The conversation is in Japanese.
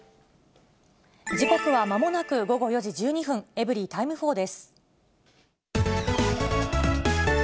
時刻はまもなく午後４時１２分、エブリィタイム４です。